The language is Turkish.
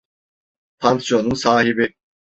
Pansiyonun sahibi: